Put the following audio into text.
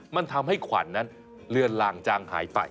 มันทำให้ขวัญนั้นเลือนลางจางหายไป